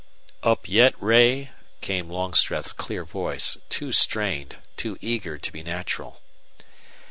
"Up yet, Ray?" came Longstreth's clear voice, too strained, too eager to be natural.